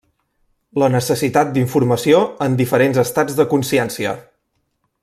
La necessitat d’informació en diferents estats de consciència.